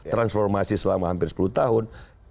transformasi selama hampir sepuluh tahun